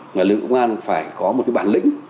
mà lực lượng công an phải có một cái bản lĩnh